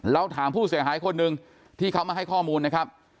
เราถามผู้เสียหายคนหนึ่งที่เขามาให้ข้อมูลนะครับ